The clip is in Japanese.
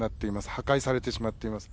破壊されてしまっています。